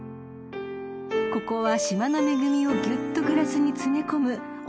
［ここは島の恵みをぎゅっとグラスに詰め込む大人の隠れ家］